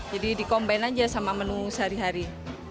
jadi dikombain aja sama menu sehari hari